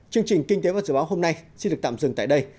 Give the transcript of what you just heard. chương trình kinh tế và dự báo hôm nay xin được tạm dừng tại đây